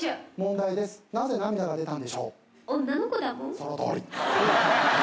そのとおり。